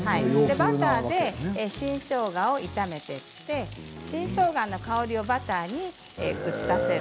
バターで新しょうがを炒めていって新しょうがの香りをバターに移させる。